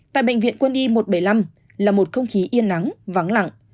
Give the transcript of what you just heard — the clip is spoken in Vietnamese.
tại bệnh viện quân y một trăm bảy mươi năm là một không khí yên nắng vắng lặng